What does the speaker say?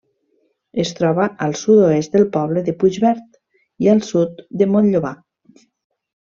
Es troba al sud-oest del poble de Puigverd, i al sud de Montllobar.